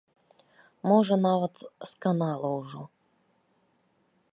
Можа нават сканала ўжо.